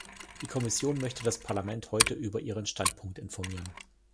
Die Kommission möchte das Parlament heute über ihren Standpunkt informieren.